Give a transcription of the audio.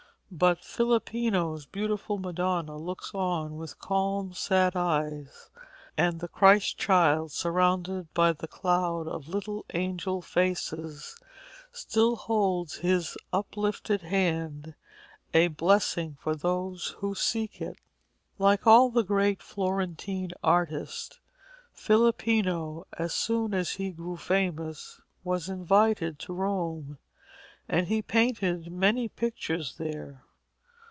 But Filippino's beautiful Madonna looks on with calm, sad eyes, and the Christ Child, surrounded by the cloud of little angel faces, still holds in His uplifted hand a blessing for those who seek it. Like all the great Florentine artists, Filippino, as soon as he grew famous, was invited to Rome, and he painted many pictures there.